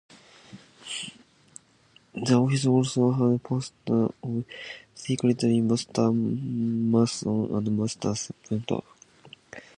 The office also had posts of Secretary, Master Mason and Master Carpenter.